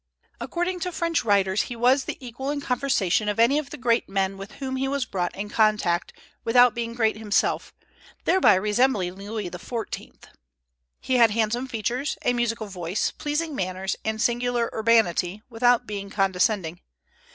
According to French writers, he was the equal in conversation of any of the great men with whom he was brought in contact, without being great himself, thereby resembling Louis XIV. He had handsome features, a musical voice, pleasing manners, and singular urbanity, without being condescending.